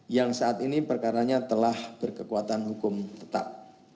yang saat ini perkaranya telah berkekuatan hukum tetap